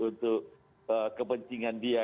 untuk kebencinan dia